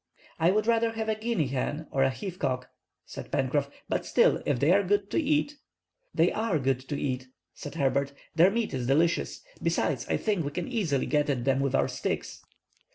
"I would rather have a guinea hen, or a heath cock," said Pencroff, "but still, if they are good to eat"— "They are good to eat," said Herbert; "their meat is delicious. Besides, I think we can easily get at them with our sticks."